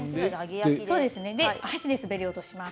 お箸で滑り落とします。